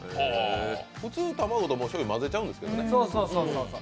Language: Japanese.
普通、卵としょうゆは混ぜちゃうんですけどね。